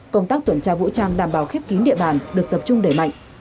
công tác tuần tra vũ trang đảm bảo khép kín địa bàn được tập trung đẩy mạnh